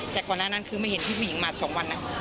แต่ก่อนหน้านั้นคือไม่เห็นพี่ผู้หญิงมา๒วัน